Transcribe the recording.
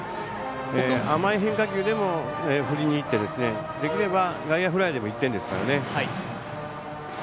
甘い変化球でも振りにいってできれば外野フライでも１点ですからね。